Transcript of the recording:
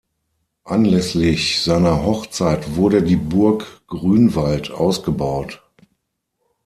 Anlässlich seiner Hochzeit wurde die Burg Grünwald ausgebaut.